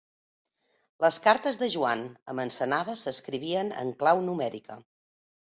Les cartes de Joan amb Ensenada s'escrivien en clau numèrica.